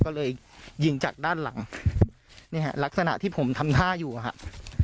ก็เลยยิงจากด้านหลังนี่ฮะลักษณะที่ผมทำท่าอยู่อะครับ